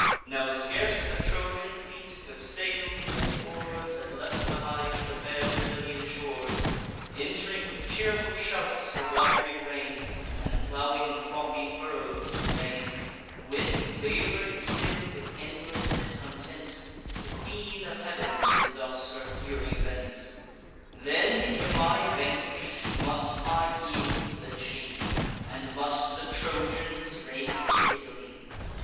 Now scarce the Trojan fleet, with sails and oars, Had left behind the fair Sicilian shores, Ent'ring with cheerful shouts the wat'ry reign, And plowing frothy furrows in the main; When, lab'ring still with endless discontent, The Queen of Heav'n did thus her fury vent: "Then am I vanquish'd? must I yield?" said she, "And must the Trojans reign in Italy?